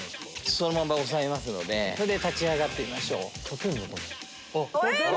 そのまま押さえます立ち上がってみましょう。